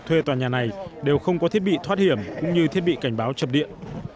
thuê tòa nhà này đều không có thiết bị thoát hiểm cũng như thiết bị cảnh báo chập điện